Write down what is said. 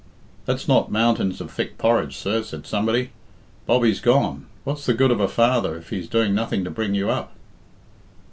"That's not mountains of thick porridge, sir," said somebody. "Bobbie's gone. What's the good of a father if he's doing nothing to bring you up?"